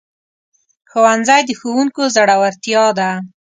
ښوونځی د ښوونکو زړورتیا ده